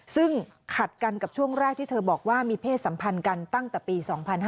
ซึ่งขัดกันกับช่วงแรกที่เธอบอกว่ามีเพศสัมพันธ์กันตั้งแต่ปี๒๕๕๙